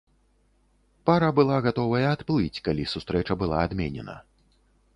Пара была гатовая адплыць, калі сустрэча была адменена.